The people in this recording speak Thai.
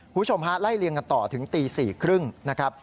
คุณผู้ชมฮะไล่เลี่ยงกันต่อถึงตี๔๓๐นะครับ